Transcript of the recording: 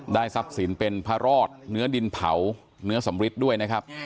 ทรัพย์สินเป็นพระรอดเนื้อดินเผาเนื้อสำริทด้วยนะครับ